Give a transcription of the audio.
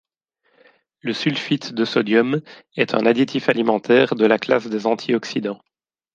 Le sulfite de sodium est un additif alimentaire de la classe des antioxydants.